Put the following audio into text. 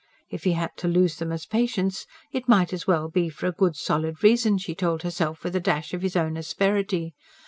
If he had to lose them as patients, it might as well be for a good solid reason, she told herself with a dash of his own asperity.